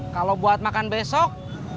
kalau buat makan besok